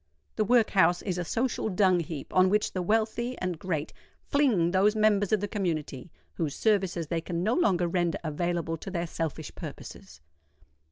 The workhouse is a social dung heap on which the wealthy and great fling those members of the community whose services they can no longer render available to their selfish purposes.